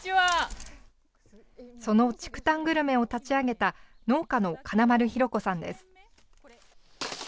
その竹炭グルメを立ち上げた農家の金丸博子さんです。